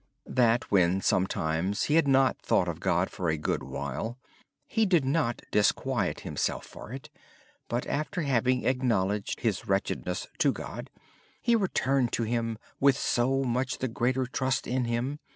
He said when sometimes he had not thought of God for a good while he did not disquiet himself for it. Having acknowledged his wretchedness to God, he simply returned to Him with so much the greater trust in Him.